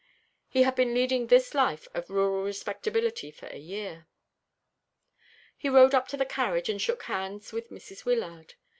He had been leading this life of rural respectability for a year. He rode up to the carriage and shook hands with Mrs. Wyllard.